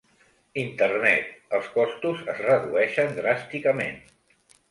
Internet, els costos es redueixen dràsticament.